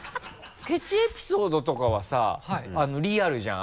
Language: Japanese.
ケチエピソードとかはさリアルじゃん？